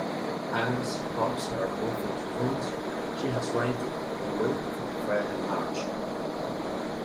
Agnes helps her move into rooms she has rented away from Fred and Marge.